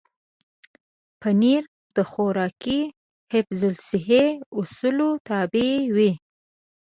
پنېر د خوراکي حفظ الصحې اصولو تابع وي.